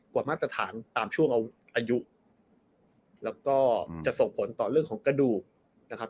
มาตรฐานตามช่วงอายุแล้วก็จะส่งผลต่อเรื่องของกระดูกนะครับ